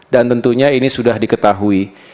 dan tentunya ini sudah diketahui